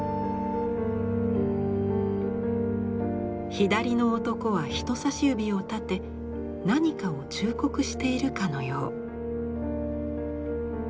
左の男は人さし指を立て何かを忠告しているかのよう。